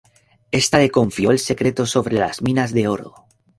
Esta le confió el secreto sobre las minas de oro.